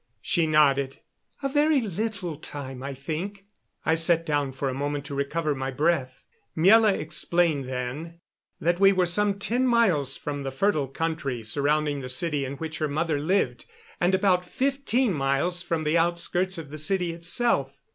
She nodded. "A very little time, I think." I sat down for a moment to recover my breath. Miela explained then that we were some ten miles from the fertile country surrounding the city in which her mother lived, and about fifteen miles from the outskirts of the city itself.